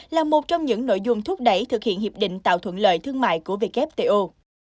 là một trong những nội dung thúc đẩy thực hiện hiệp định tạo thuận lợi thương mại của wto